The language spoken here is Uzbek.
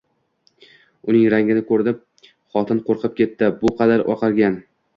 Uning rangini koʻrib xotin qoʻrqib ketdi – bu qadar oqargan!